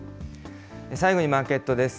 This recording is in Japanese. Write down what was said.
最後にマーケットです。